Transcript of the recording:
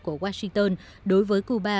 của washington đối với cuba